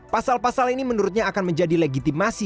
pasal pasal ini menurutnya akan menjadi legitimasi